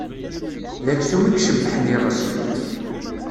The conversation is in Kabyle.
D aksum i icebbḥen iɣes.